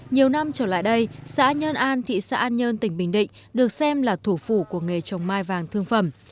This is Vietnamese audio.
nhiều năm trở lại đây xã nhơn an thị xã an nhơn tỉnh bình định được xem là thủ phủ của nghề trồng mai vàng thương phẩm